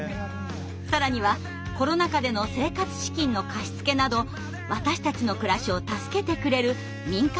更にはコロナ禍での生活資金の貸し付けなど私たちの暮らしを助けてくれる民間団体なんです。